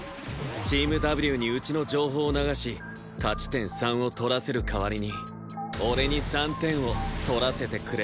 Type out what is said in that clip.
チームＷにうちの情報を流し勝ち点３を取らせる代わりに俺に３点を取らせてくれってね。